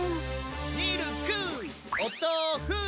ミルクおとうふ